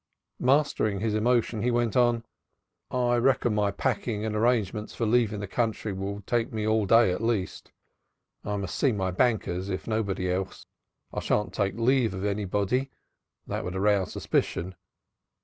Mastering his emotion, he went on: "I reckon my packing and arrangements for leaving the country will take me all day at least. I must see my bankers if nobody else. I shan't take leave of anybody, that would arouse suspicion.